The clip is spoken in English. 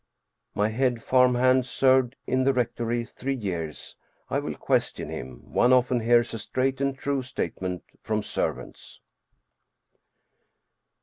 My head farm hand served in the rectory three years. I will question him, one often hears a straight and true state ment from servants.